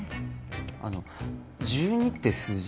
あの１２って数字